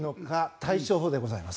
対処法でございます。